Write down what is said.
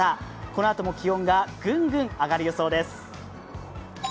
このあとも気温がぐんぐん上がる予想です。